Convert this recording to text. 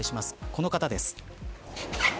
この方です。